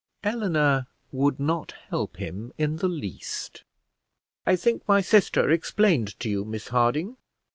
Eleanor would not help him in the least. "I think my sister explained to you, Miss Harding?"